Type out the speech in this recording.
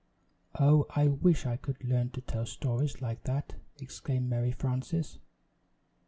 "Oh, I wish I could learn to tell stories like that!" exclaimed Mary Frances.